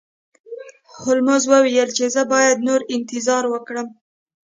هولمز وویل چې زه باید نور انتظار وکړم.